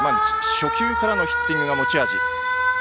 初球からのヒッティングが持ち味。